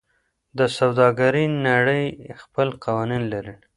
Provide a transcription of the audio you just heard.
د سوداګرۍ نړۍ خپل قوانین لري.